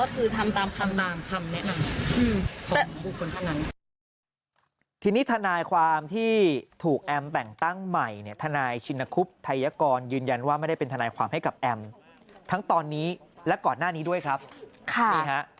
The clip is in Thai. เพราะว่าเป็นคนสั่งให้แอมมีคนส่งไป